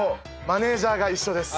マネジャーが一緒です。